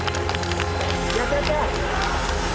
やったやった！